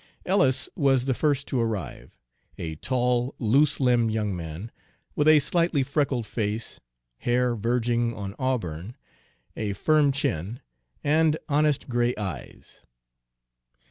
Ellis was the first to arrive, a tall, loose limbed young man, with a slightly freckled face, hair verging on auburn, a firm chin, and honest gray eyes.